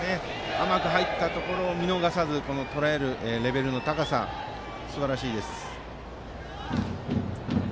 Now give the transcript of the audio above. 甘く入ったところをとらえるレベルの高さはすばらしいです。